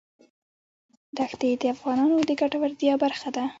دښتې د افغانانو د ګټورتیا برخه ده.